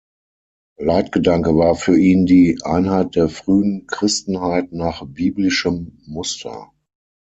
Leitgedanke war für ihn die Einheit der frühen Christenheit nach biblischem Muster.